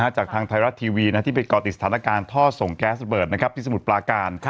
จากทางไทยรัฐทีวีที่ไปก่อติดสถานการณ์ท่อส่งแก๊สระเบิดที่สมุทรปลาการ